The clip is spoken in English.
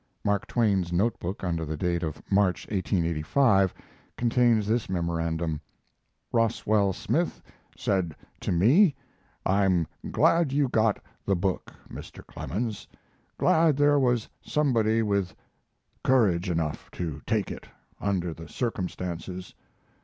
[Mark Twain's note book, under date of March, 1885, contains this memorandum: "Roswell Smith said to me: 'I'm glad you got the book, Mr. Clemens; glad there was somebody with courage enough to take it, under the circumstances.